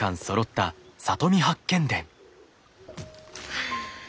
はあ。